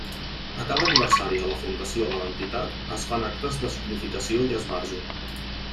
A cada aniversari de la fundació de l'entitat es fan actes de significació i esbarjo.